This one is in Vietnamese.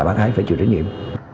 bắt ái phải chịu trách nhiệm